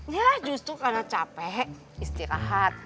ya justru karena capek istirahat